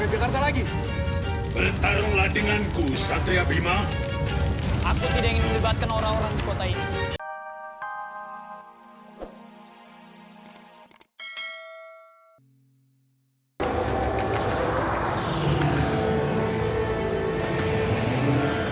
jakarta lagi bertarunglah denganku satria bima aku tidak ingin melibatkan orang orang kota ini